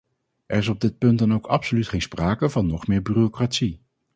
Er is op dit punt dan ook absoluut geen sprake van nog meer bureaucratie.